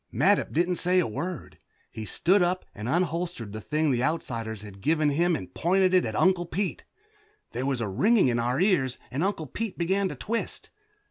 Mattup didn't say a word. He stood up and unholstered the thing the Outsiders had given him and pointed it at Uncle Pete. There was a ringing in our ears and Uncle Pete began to twist.